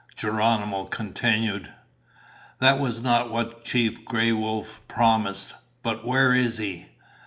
Geronimo continued: "That was not what Chief Gray Wolf promised, but where is he?